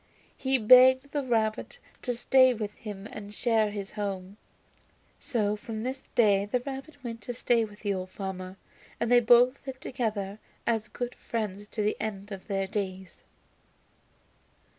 He begged the rabbit to stay with him and share his home, so from this day the rabbit went to stay with the old farmer and they both lived together as good friends to the end of their days.